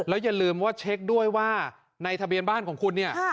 อย่าลืมว่าเช็คด้วยว่าในทะเบียนบ้านของคุณเนี่ย